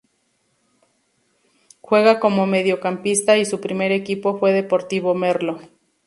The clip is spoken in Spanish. Juega como mediocampista y su primer equipo fue Deportivo Merlo.